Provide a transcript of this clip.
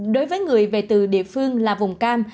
đối với người về từ địa phương là vùng cam